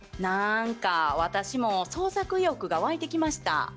なんか私も創作意欲が湧いてきました。